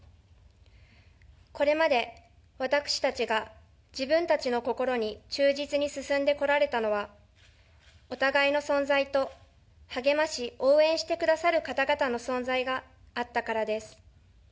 これまで私たちが自分たちの心に忠実に進んでこられたのは、お互いの存在と、励まし応援してくださる方々の存在があったからです。